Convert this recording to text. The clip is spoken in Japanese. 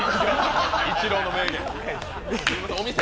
イチローの名言。